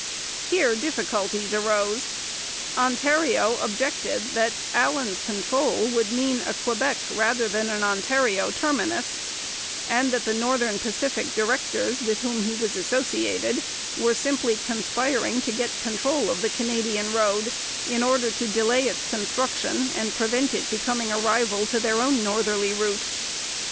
Here difficulties arose: Ontario objected that Allan's control would mean a Quebec rather than an Ontario terminus, and that the Northern Pacific directors with whom he was associated were simply conspiring to get control of the Canadian road, in order to delay its construction and prevent it becoming a rival to their own northerly route.